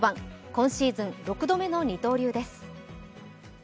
今シーズン、６度目の二刀流です。